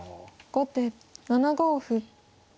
後手７五歩。